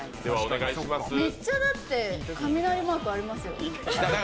めっちゃ、だって雷マークありますよ。